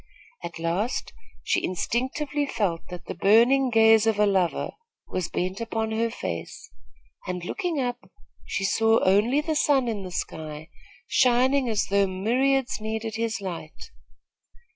At last, she instinctively felt that the burning gaze of a lover was bent upon her face, and, looking up, she saw only the sun in the sky, shining as though myriads needed his light.